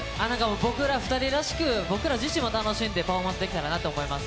僕ら２人らしく、僕ら自身も楽しんでパフォーマンスできたらなと思います。